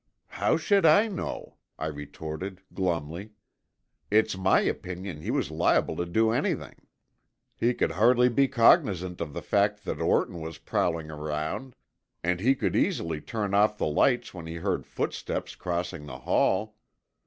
"How should I know?" I retorted glumly. "It's my opinion he was liable to do anything." "He could hardly be cognizant of the fact that Orton was prowling around, and he could easily turn off the lights when he heard footsteps crossing the hall.